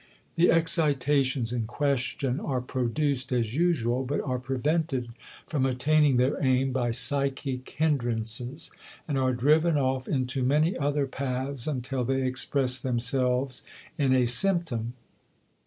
The excitations in question are produced as usual but are prevented from attaining their aim by psychic hindrances, and are driven off into many other paths until they express themselves in a symptom.